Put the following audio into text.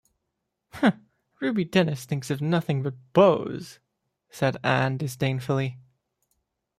“Ruby Dennis thinks of nothing but beaus,” said Anne disdainfully.